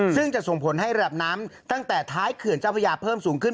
ซึ่งจะส่งผลให้ระดับน้ำตั้งแต่ท้ายเขื่อนเจ้าพระยาเพิ่มสูงขึ้น